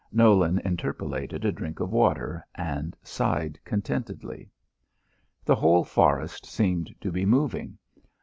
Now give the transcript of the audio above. Nolan interpolated a drink of water, and sighed contentedly. The whole forest seemed to be moving.